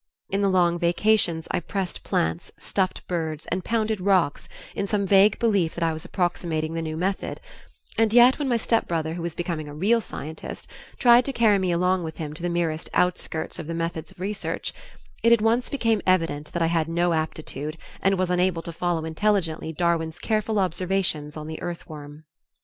In the long vacations I pressed plants, stuffed birds and pounded rocks in some vague belief that I was approximating the new method, and yet when my stepbrother who was becoming a real scientist, tried to carry me along with him to the merest outskirts of the methods of research, it at once became evident that I had no aptitude and was unable to follow intelligently Darwin's careful observations on the earthworm.